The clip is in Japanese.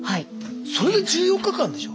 それで１４日間でしょ？